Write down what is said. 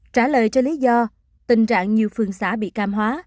trả lời cho lý do tình trạng nhiều phường xã bị cam hóa